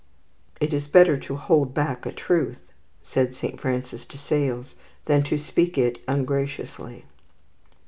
"It is better to hold back a truth," said Saint Francis de Sales, "than to speak it ungraciously."